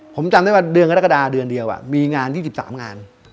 ผมจำได้ว่าเดือนกรกฎาเดือนเดียวมีงาน๒๓งาน